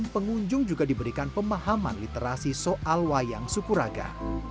pengunjung juga diberikan pemahaman literasi soal wayang sukuraga